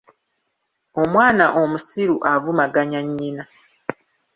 Omwana omusiru avumaganya nnyina.